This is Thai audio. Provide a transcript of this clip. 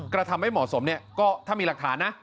กระทำไม่เหมาะสมเนี่ยก็ถ้ามีหลักฐานนะ